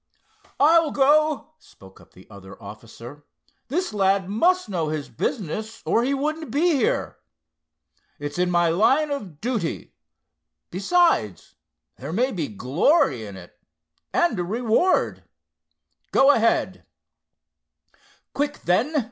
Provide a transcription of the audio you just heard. "I'll go," spoke up the other officer. "This lad must know his business or he wouldn't be here. It's in my line of duty—besides, there may be glory in it, and a reward. Go ahead!" "Quick, then!"